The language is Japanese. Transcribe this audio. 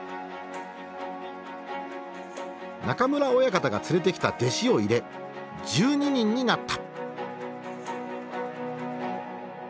中村親方が連れてきた弟子を入れ１２人になった。